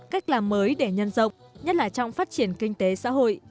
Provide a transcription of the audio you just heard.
cách làm mới để nhân rộng nhất là trong phát triển kinh tế xã hội